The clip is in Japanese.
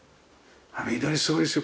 緑すごいですよ。